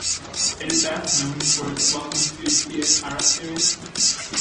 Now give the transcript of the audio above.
It is best known for its "Welcome to Pia Carrot" series.